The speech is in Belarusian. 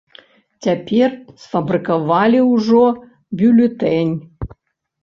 Цяпер сфабрыкавалі ўжо бюлетэнь.